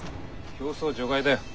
競走除外だよ。